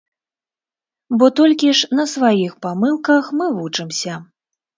Бо толькі ж на сваіх памылках мы вучымся.